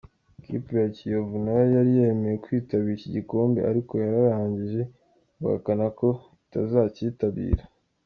Ikipe ya Kiyovu nayo yari yemeye kwitabira iki gikombe ariko yararangije guhakana ko itazacyitabira.